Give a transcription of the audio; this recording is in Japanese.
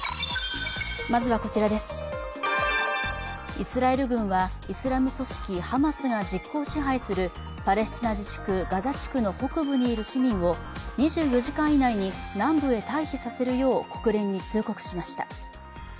イスラエル軍は、イスラム組織ハマスが実効支配するパレスチナ自治区ガザ地区の北部にいる市民を２４時間以内に南部へ退避させるよう国連に通告しました。